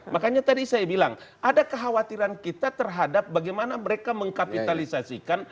makanya tadi saya bilang ada kekhawatiran kita terhadap bagaimana mereka mengkapitalisasikan